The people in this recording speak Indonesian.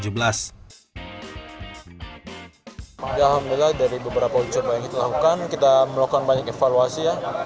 alhamdulillah dari beberapa uji coba yang kita lakukan kita melakukan banyak evaluasi ya